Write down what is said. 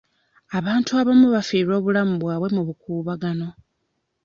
Abantu abamu baafiirwa obulamu bwabwe mu bukuubagano.